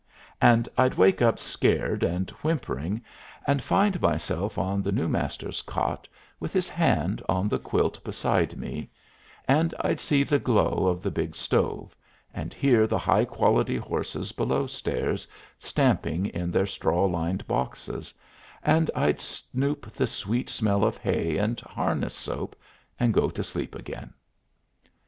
And I'd wake up scared and whimpering, and find myself on the new Master's cot with his hand on the quilt beside me; and I'd see the glow of the big stove, and hear the high quality horses below stairs stamping in their straw lined boxes, and I'd snoop the sweet smell of hay and harness soap and go to sleep again.